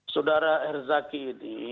saudara r zaky ini